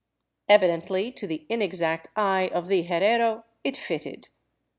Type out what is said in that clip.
Evidently, to the inexact eye of the herrero, it fitted.